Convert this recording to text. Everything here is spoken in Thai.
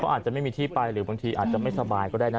อาจจะไม่มีที่ไปหรือบางทีอาจจะไม่สบายก็ได้นะ